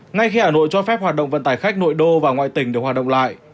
ngay khi hà nội cho phép hoạt động vận tải khách nội đô và ngoại tỉnh được hoạt động lại